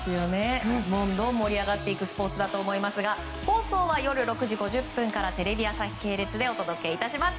どんどん盛り上がっていくスポーツですが放送は夜６時５０分からテレビ朝日系列でお届けいたします。